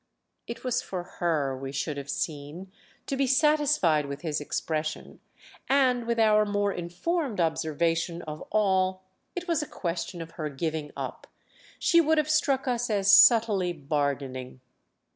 It was for her, we should have seen, to be satisfied with his expression; and, with our more informed observation of all it was a question of her giving up, she would have struck us as subtly bargaining.